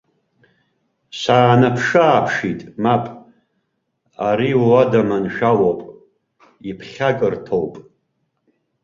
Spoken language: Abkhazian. Саанаԥшы-ааԥшит, мап, ари уада маншәалоуп, иԥхьакырҭоуп.